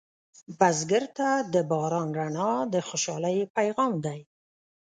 بزګر ته د باران رڼا د خوشحالۍ پیغام دی